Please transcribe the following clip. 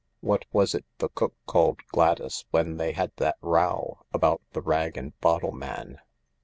" What was it the cook called Gladys when they had that row about the rag and bottfcjj man